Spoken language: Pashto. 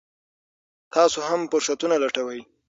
تاسو هم فرصتونه لټوئ.